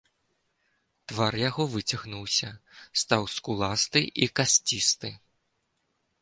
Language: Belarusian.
Твар яго выцягнуўся, стаў скуласты і касцісты.